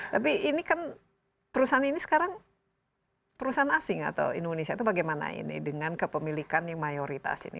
tapi ini kan perusahaan ini sekarang perusahaan asing atau indonesia itu bagaimana ini dengan kepemilikan yang mayoritas ini